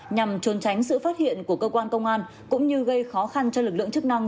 nhằm trốn tránh sự phát hiện của cơ quan công an cũng như gây khó khăn cho lực lượng chức năng